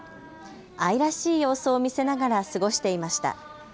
愛らしい様子を見せながら過ごしていました。